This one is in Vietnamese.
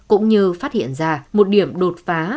cũng như phát hiện ra một điểm đột phá